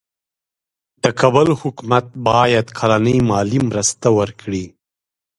د کابل حکومت ته باید کلنۍ مالي مرسته ورکړي.